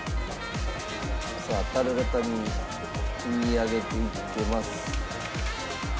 さあ樽型に組み上げていってます。